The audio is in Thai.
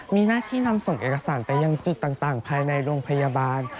มีหน้าที่นำส่งเอกสารไปยังจุดต่างภายในโรงพยาบาล